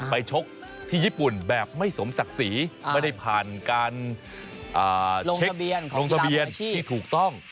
ชกที่ญี่ปุ่นแบบไม่สมศักดิ์ศรีไม่ได้ผ่านการเช็คลงทะเบียนที่ถูกต้อง